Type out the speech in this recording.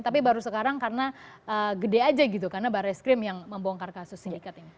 tapi baru sekarang karena gede aja gitu karena barreskrim yang membongkar kasus sindikat ini